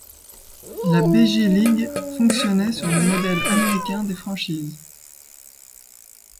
La Bj League fonctionnait sur le modèle américain des franchises.